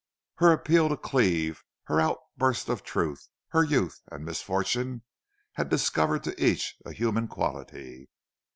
Her appeal to Cleve, her outburst of truth, her youth and misfortune, had discovered to each a human quality.